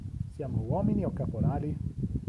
Siamo uomini o caporali?